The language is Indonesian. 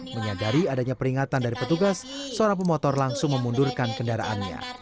menyadari adanya peringatan dari petugas seorang pemotor langsung memundurkan kendaraannya